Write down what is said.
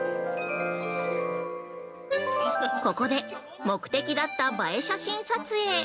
ここで、目的だった映え写真撮影！